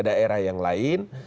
ke daerah yang lain